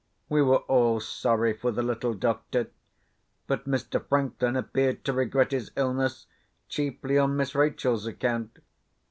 We were all sorry for the little doctor; but Mr. Franklin appeared to regret his illness, chiefly on Miss Rachel's account.